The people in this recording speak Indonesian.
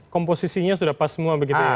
komposisinya sudah pas semua begitu ya